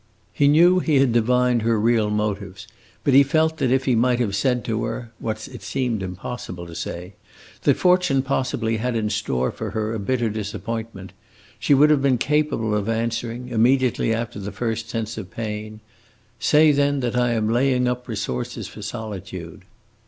He knew he had divined her real motives; but he felt that if he might have said to her what it seemed impossible to say that fortune possibly had in store for her a bitter disappointment, she would have been capable of answering, immediately after the first sense of pain, "Say then that I am laying up resources for solitude!"